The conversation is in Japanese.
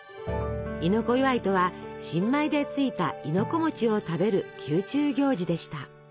「亥の子祝い」とは新米でついた亥の子を食べる宮中行事でした。